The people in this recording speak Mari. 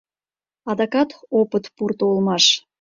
Адакат опыт пурто улмаш.